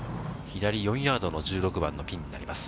左４ヤードの１６番のピンになります。